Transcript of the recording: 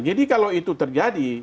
jadi kalau itu terjadi